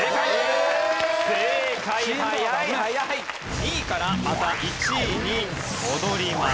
２位からまた１位に戻ります。